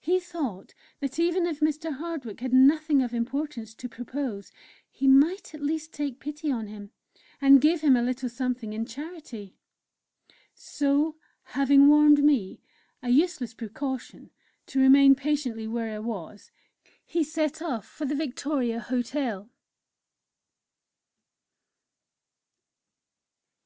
He thought that even if Mr. Hardwick had nothing of importance to propose, he might at least take pity on him, and give him a little something in charity. So, having warned me a useless precaution to remain patiently where I was, he set off for the Victoria Hotel.